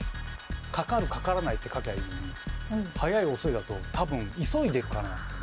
「かかる」「かからない」って書きゃいいのに「早い」「遅い」だと多分急いでるからなんですよね。